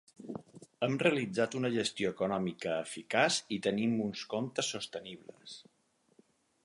Hem realitzat una gestió econòmica eficaç i tenim uns comptes sostenibles.